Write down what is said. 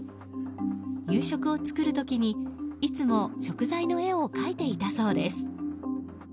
夕食を作る時にいつも食材の絵を描いていたそうです。